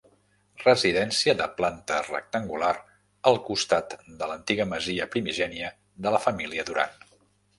Residència de planta rectangular al costat de l'antiga masia primigènia de la família Duran.